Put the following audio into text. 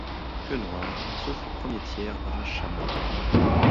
Queue noire sauf le premier tiers brun chamois.